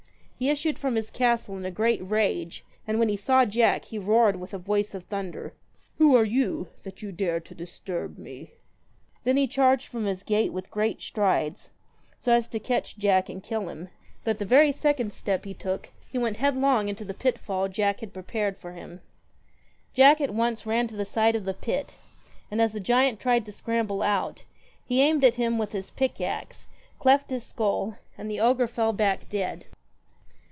He issued from his castle in a great rage, and when he saw Jack he roared with a voice of thunder, * Who are you, that you dare to disturb me ?' Then he charged from his gate with great strides, so as to catch Jack and kill him ; but at the very second step he took, he went headlong into the 5itfall Jack had prepared for him. ack at once ran to the side of the pit, and as the giant tried to scramble out, he aimed at him with his pick axe, cleft his skull, and the ogre fell back dead.